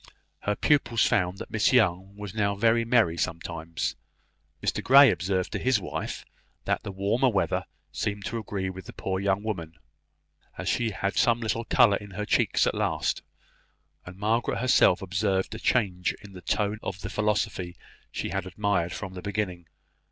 Her pupils found that Miss Young was now very merry sometimes. Mr Grey observed to his wife that the warmer weather seemed to agree with the poor young woman, as she had some little colour in her cheeks at last; and Margaret herself observed a change in the tone of the philosophy she had admired from the beginning.